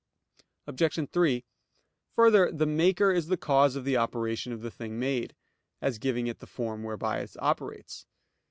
Obj. 3: Further, the maker is the cause of the operation of the thing made, as giving it the form whereby it operates.